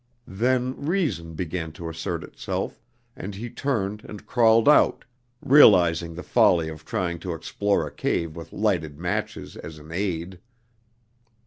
Then reason began to assert itself, and he turned and crawled out, realizing the folly of trying to explore a cave with lighted matches as an aid.